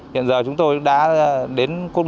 hiện giờ chúng tôi đã đến cốt một trăm ba mươi chín